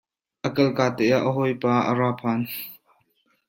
A kal kate ah a hawipa a ra phan.